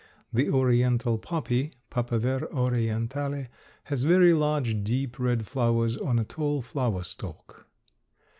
The Oriental poppy (P. orientale) has very large, deep red flowers on a tall flower stalk.